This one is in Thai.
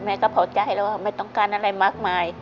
เผาใจแล้วว่าไม่ต้องการอะไรมากมาย